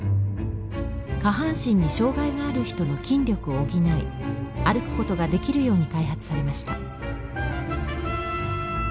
下半身に障害がある人の筋力を補い歩くことができるように開発されました。